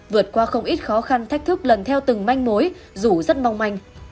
vượt qua không ít khó khăn thách thức lần theo từng manh mối dù rất mong manh